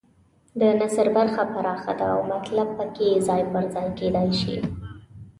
د نثر برخه پراخه ده او مطلب پکې ځای پر ځای کېدای شي.